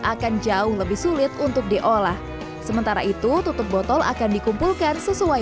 akan jauh lebih sulit untuk diolah sementara itu tutup botol akan dikumpulkan sesuai